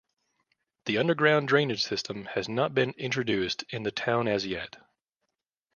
The underground drainage system has not been introduced in the town as yet.